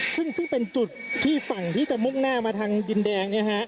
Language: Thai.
ซึ่งเป็นจุดที่ฝั่งที่จะมุ่งหน้ามาทางดินแดง